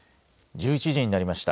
１１時になりました。